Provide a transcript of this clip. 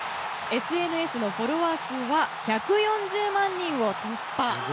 ＳＮＳのフォロワー数は１４０万人を突破。